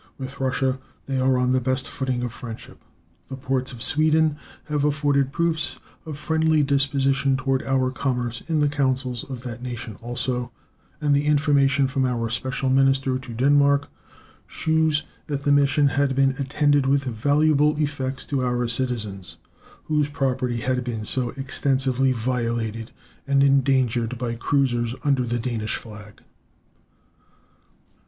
With Russia they are on the best footing of friendship. The ports of Sweden have afforded proofs of friendly dispositions toward our commerce in the councils of that nation also, and the information from our special minister to Denmark shews that the mission had been attended with valuable effects to our citizens, whose property had been so extensively violated and endangered by cruisers under the Danish flag.